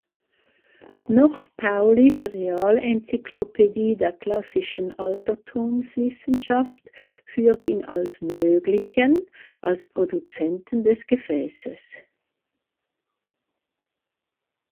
Noch Paulys Realencyclopädie der classischen Altertumswissenschaft führt ihn als möglichen als Produzenten des Gefäßes.